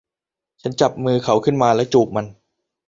ฉันจับมือเขาขึ้นมาและจูบมัน